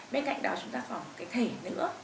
bên cạnh đó chúng ta còn một cái thể nữa